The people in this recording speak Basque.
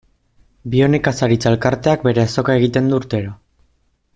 Bionekazaritza elkarteak bere azoka egiten du urtero.